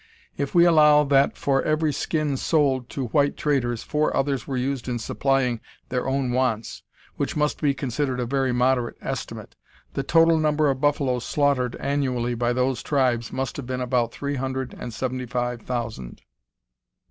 If we allow that for every skin sold to white traders four others were used in supplying their own wants, which must be considered a very moderate estimate, the total number of buffaloes slaughtered annually by those tribes must have been about three hundred and seventy five thousand.